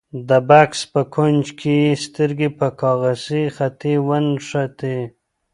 د بکس په کونج کې یې سترګې په کاغذي خلطې ونښتې.